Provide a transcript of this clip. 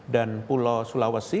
dan pulau sulawesi